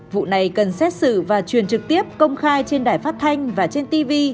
vụ này cần xét xử và truyền trực tiếp công khai trên đài phát thanh và trên tv